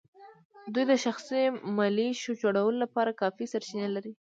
دوی د شخصي ملېشو جوړولو لپاره کافي سرچینې لري.